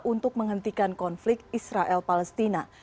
untuk menghentikan konflik israel palestina